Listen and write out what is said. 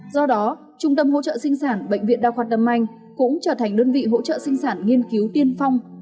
do đó trung tâm hỗ trợ sinh sản bệnh viện đa khoa tâm anh cũng trở thành đơn vị hỗ trợ sinh sản nghiên cứu tiên phong